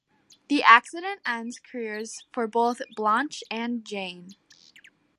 The accident ends careers for both Blanche and Jane.